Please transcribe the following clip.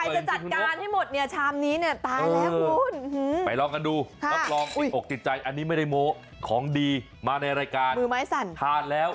ใครจะจัดการให้หมดเนี่ยชามนี้เนี่ยตายแล้ว